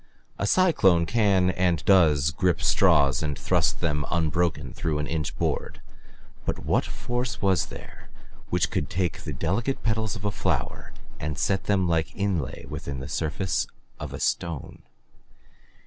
A cyclone can and does grip straws and thrust them unbroken through an inch board but what force was there which could take the delicate petals of a flower and set them like inlay within the surface of a stone?